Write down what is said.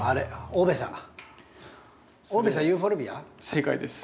オベサユーフォルビア？正解です。